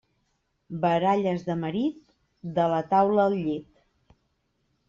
Baralles de marit, de la taula al llit.